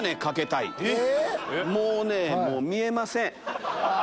もうね見えません。